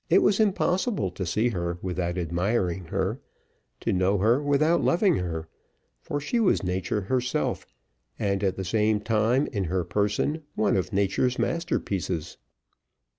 It was impossible to see without admiring her, to know her without loving her; for she was nature herself, and, at the same time, in her person one of Nature's masterpieces.